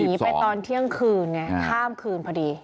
ไปตอนเที่ยงคืนไงข้ามคืนพอดี